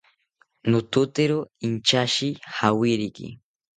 Nototero inchashi jawiriki